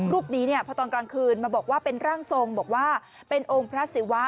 รูปนี้เนี่ยพอตอนกลางคืนมาบอกว่าเป็นร่างทรงบอกว่าเป็นองค์พระศิวะ